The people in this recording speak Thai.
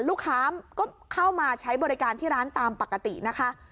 ลูกค้าก็เข้ามาใช้บริการที่ร้านตามปกตินะคะ